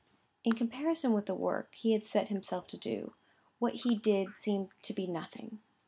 In comparison with the work he had set himself to do, what he did seemed to be nothing.